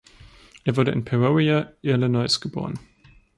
Er wurde in Peoria, Illinois, geboren.